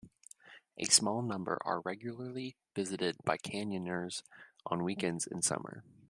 A small number are regularly visited by canyoners on weekends in summer.